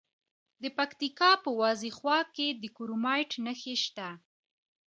د پکتیکا په وازیخوا کې د کرومایټ نښې شته.